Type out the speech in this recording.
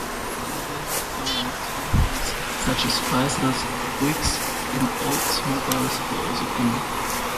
However, lower luxury models such as Chryslers, Buicks and Oldsmobiles were also common.